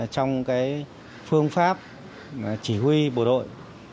trong cái phương pháp chỉ huy bộ đội